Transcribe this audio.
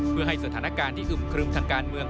เพื่อให้สถานการณ์ที่อึมครึมทางการเมือง